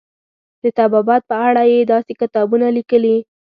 د طبابت په اړه یې داسې کتابونه لیکلي.